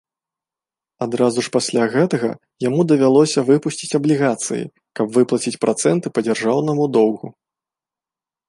Адразу ж пасля гэтага яму давялося выпусціць аблігацыі, каб выплаціць працэнты па дзяржаўнаму доўгу.